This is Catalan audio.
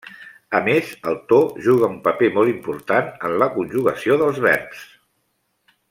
A més, el to juga un paper molt important en la conjugació dels verbs.